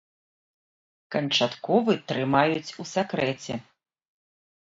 Канчатковы трымаюць у сакрэце.